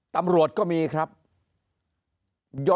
ตำรวจก็มีตำแหน่งใหญ่โต